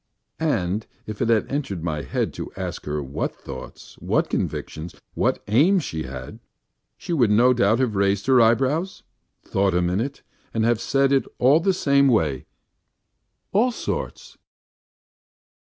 And if it had entered my head to ask her what thoughts, what convictions, what aims she had, she would no doubt have raised her eyebrows, thought a minute, and have said in the same way: "All sorts."